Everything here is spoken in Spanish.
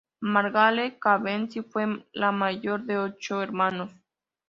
Margaret Cavendish fue la mayor de ocho hermanos.